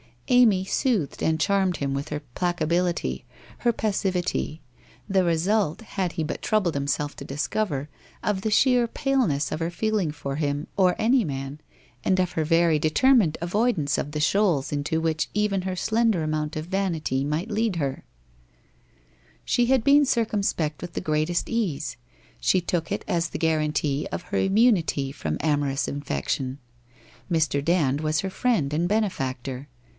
Amy soothed and charmed him with her placability, her passivity, the result, had he but troubled himself to discover, of the sheer pale ness of her feeling for him or any man, and of her very determined avoidance of the shoals into which even her slender amount of vanity might lead her. WHITE ROSE OF WEARY LEAF 163 She had been circumspect with the greatest ease. She took it as the guarantee of her immunity from amorous infection. Mr. Dand was her friend and benefactor.